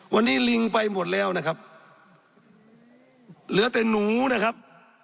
วันนี้ลิงไปหมดแล้วนะครับเหลือแต่หนูนะครับ